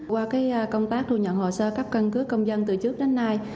qua công tác thu nhận hồ sơ cấp căn cứ công dân từ trước đến nay